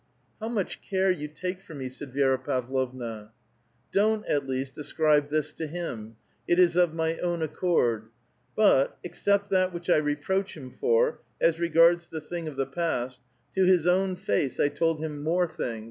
" How much care you take for me," said Vi^ra Pavlovna. " Don't, at least, ascribe this to him ; it is of my own ac cord. But, except that which I reproach him for, as regards the things of the past (to his own face I told him more things, A VITAL QUESTION.